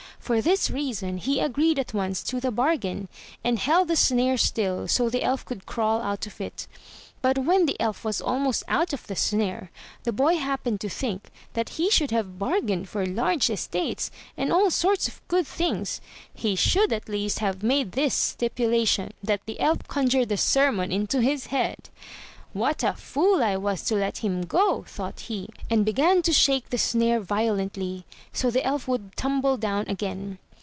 For this reason he agreed at once to the bargain, and held the snare still, so the elf could crawl out of it. But when the elf was almost out of the snare, the boy happened to think that he should have bargained for large estates, and all sorts of good things. He should at least have made this stipulation: that the elf conjure the sermon into his head. What a fool I was to let him go!" thought he, and began to shake the snare violently, so the elf would tumble down again.